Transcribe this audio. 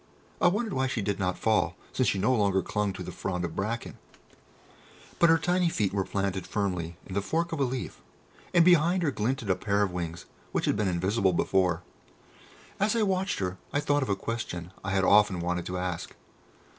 I wondered why she did not fall, since she no longer clung to the frond of bracken; but her tiny feet were firmly planted in the fork of a leaf, and behind her glinted a pair of wings which had been invisible before. As I watched her I thought of a question I had often wanted to ask.